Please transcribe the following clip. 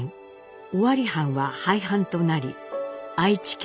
尾張藩は廃藩となり愛知県となります。